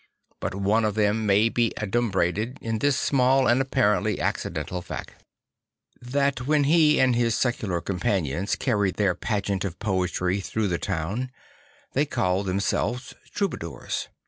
But one of them may be adumbrated in this small and apparently acci dental fact: that when he and his secular com panions carried their pageant of poetry through the town, they called then1selves Troubadours.